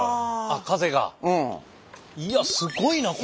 いやすごいなこれ。